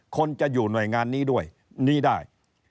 คนจะอยู่หน่วยงานนี้ด้วยนี้ได้